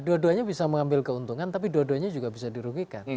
dua duanya bisa mengambil keuntungan tapi dua duanya juga bisa dirugikan